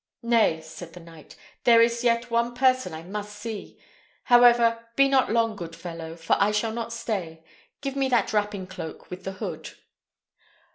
"Nay," said the knight, "there is yet one person I must see. However, be not long, good fellow, for I shall not stay. Give me that wrapping cloak with the hood."